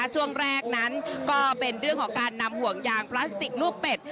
ช่วงแรกนั้นก็เป็นเรื่องของการนำห่วงยางพลาสติกลูกเป็ด